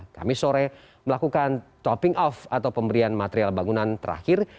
kami sore melakukan topping off atau pemberian material bangunan terakhir